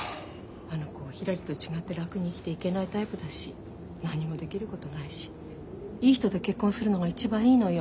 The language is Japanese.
あの子ひらりと違って楽に生きていけないタイプだし何もできることないしいい人と結婚するのが一番いいのよ。